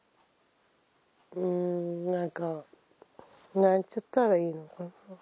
うん何か何て言ったらいいのかな。